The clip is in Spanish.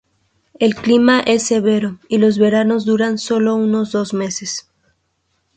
El clima es severo y los veranos duran sólo unos dos meses.